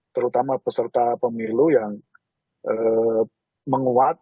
terutama peserta pemilu yang menguat